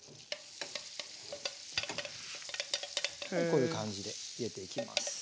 こういう感じで入れていきます。